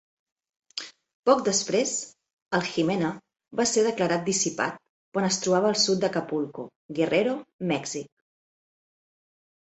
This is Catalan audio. Poc després, el Jimena va ser declarat dissipat quan es trobava al sud d'Acapulco, Guerrero, Mèxic.